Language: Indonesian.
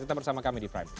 tetap bersama kami di prime